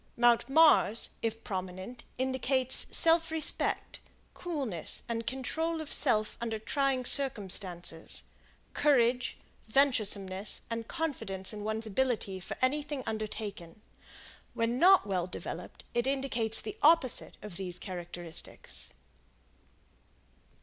Mount Mars, if prominent, indicates self respect, coolness, and control of self under trying circumstances, courage, venturesomeness and confidence in one's ability for anything undertaken. When not well developed, it indicates the opposite of these characteristics.